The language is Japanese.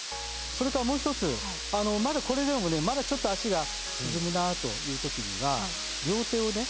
それからもう一つまだこれでもねちょっと足が沈むなという時には両手をね